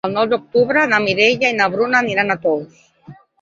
El nou d'octubre na Mireia i na Bruna aniran a Tous.